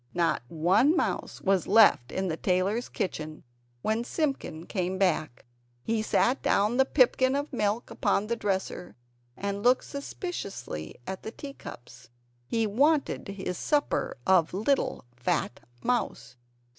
Not one mouse was left in the tailor's kitchen when Simpkin came back. He set down the pipkin of milk upon the dresser, and looked suspiciously at the tea cups. He wanted his supper of little fat mouse!